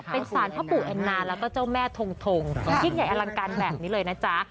เป็นสารพ่อปู่แอนนาแล้วก็เจ้าแม่ทงทงยิ่งใหญ่อลังการแบบนี้เลยนะจ๊ะ